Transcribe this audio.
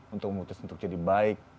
untuk memutus untuk jadi baik